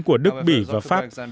của đức bỉ và pháp